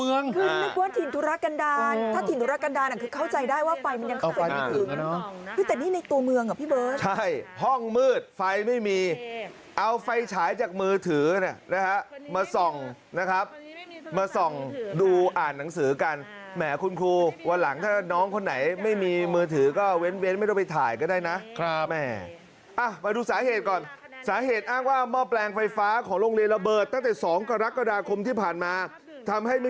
คือคือหนึ่งคือหนึ่งคือหนึ่งคือหนึ่งคือหนึ่งคือหนึ่งคือหนึ่งคือหนึ่งคือหนึ่งคือหนึ่งคือหนึ่งคือหนึ่งคือหนึ่งคือหนึ่งคือหนึ่งคือหนึ่งคือหนึ่งคือหนึ่งคือหนึ่งคือหนึ่งคือหนึ่งคือหนึ่งคือหนึ่งคือหนึ่งคือหนึ่งคือหนึ่งคือหนึ่งคือหนึ่งคือหนึ่งคือหนึ่งคือหนึ่ง